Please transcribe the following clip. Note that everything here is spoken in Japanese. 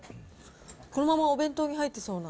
このままお弁当に入ってそうな。